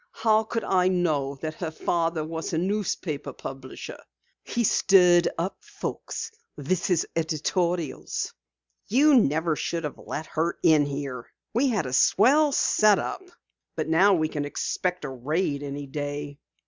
"How could I know that her father was a newspaper publisher? He's stirred up folks with his editorials." "You never should have let her in here. We had a swell set up, but now we can expect a raid any day."